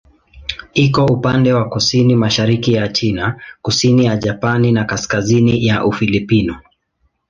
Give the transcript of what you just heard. Iko upande wa kusini-mashariki ya China, kusini ya Japani na kaskazini ya Ufilipino.